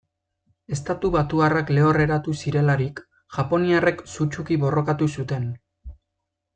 Estatubatuarrak lehorreratu zirelarik, japoniarrek sutsuki borrokatu zuten.